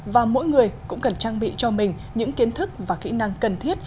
và mỗi người cũng cần trang bị cho mình những kiến thức và kỹ năng cần thiết